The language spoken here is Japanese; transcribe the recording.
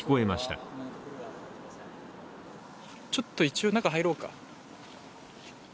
ちょっと一応、中、入ろうか。